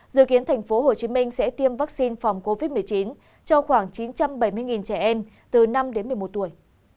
dự kiến tp hcm sẽ tiêm vaccine phòng covid một mươi chín cho khoảng chín trăm bảy mươi trẻ em từ năm đến một mươi một tuổi